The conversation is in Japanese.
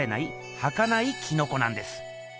はかないキノコなんです。